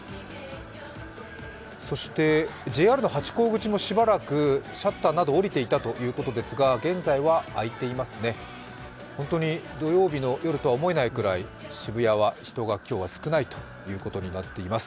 そしてＪＲのハチ公口もしばらくシャッターなど降りていたということですが現在は開いていますね、本当に土曜日の夜とは思えないくらい渋谷は人が今日は少ないということになっています。